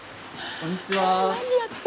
こんにちは。